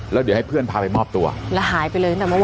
แล้วเดี๋ยวให้เพื่อนพาไปมอบตัวแล้วหายไปเลยตั้งแต่เมื่อวาน